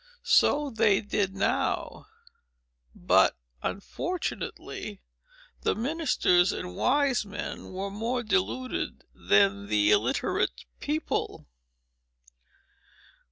So they did now; but, unfortunately, the ministers and wise men were more deluded than the illiterate people.